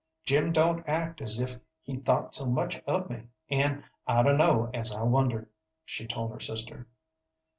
"Jim don't act as if he thought so much of me, an' I dun'no' as I wonder," she told her sister.